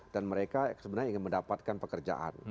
dan mereka sebenarnya ingin mendapatkan pekerjaan